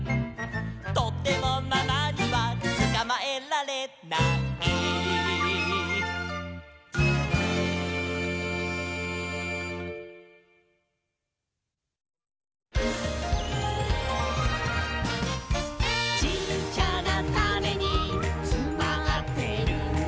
「とてもママにはつかまえられない」「ちっちゃなタネにつまってるんだ」